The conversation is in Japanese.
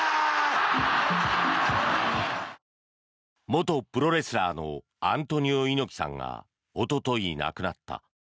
元プロレスラーのアントニオ猪木さんがおととい、亡くなった。